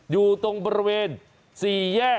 อยู่ตรงบริเวณ๔แยก